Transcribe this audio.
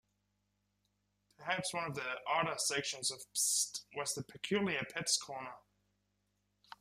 Perhaps one of the odder sections of "Pssst" was the "Peculiar Pets Corner".